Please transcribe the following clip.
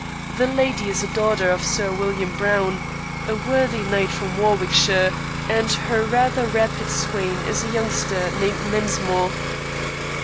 The lady is a daughter of Sir William Browne, a worthy knight from Warwickshire, and her rather rapid swain is a youngster named Mensmore."